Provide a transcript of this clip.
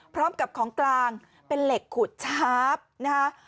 พร้อมกับของกลางเป็นเหล็กขุดชาร์ฟนะคะ